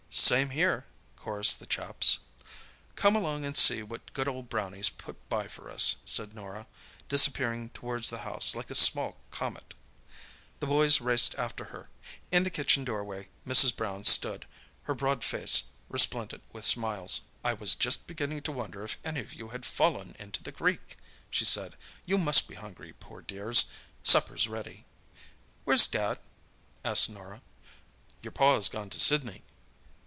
"Same here," chorused the chaps. "Come along and see what good old Brownie's put by for us," said Norah, disappearing towards the house like a small comet. The boys raced after her. In the kitchen doorway Mrs. Brown stood, her broad face resplendent with smiles. "I was just beginning to wonder if any of you had fallen into the creek," she said. "You must be hungry, poor dears. Supper's ready." "Where's Dad?" asked Norah. "Your Pa's gone to Sydney."